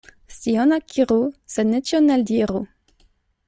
Scion akiru, sed ne ĉion eldiru.